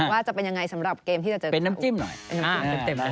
ว่าจะเป็นยังไงสำหรับเกมที่จะเจอตัวอีกครั้ง